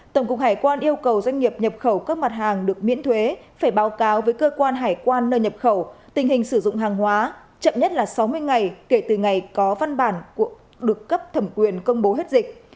tổng cục hải quan yêu cầu doanh nghiệp nhập khẩu các mặt hàng được miễn thuế phải báo cáo với cơ quan hải quan nơi nhập khẩu tình hình sử dụng hàng hóa chậm nhất là sáu mươi ngày kể từ ngày có văn bản được cấp thẩm quyền công bố hết dịch